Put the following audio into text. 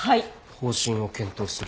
方針を検討する。